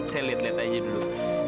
saya liat liat aja dulu